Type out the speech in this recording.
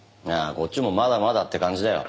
こっちもまだまだって感じだよ。